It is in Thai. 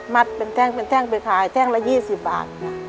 มัดเป็นแท่งเป็นแท่งเป็นขายแท่งละยี่สิบบาทค่ะ